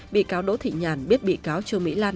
bị cáo đỗ thị nhàn biết bị cáo trương mỹ lan